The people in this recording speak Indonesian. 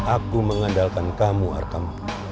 aku mengandalkan kamu arkam